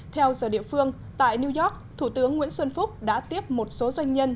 theo giờ địa phương tại new york thủ tướng nguyễn xuân phúc đã tiếp một số doanh nhân